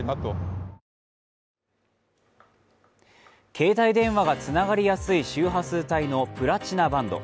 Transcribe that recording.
携帯電話がつながりやすい周波数帯のプラチナバンド。